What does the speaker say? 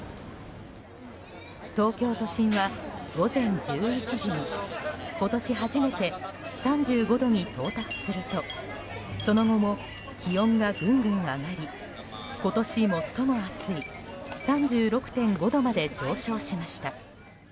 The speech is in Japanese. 東京都心は午前１１時に今年初めて３５度に到達するとその後も気温がぐんぐん上がり今年最も暑い３６．５度まで上昇しました。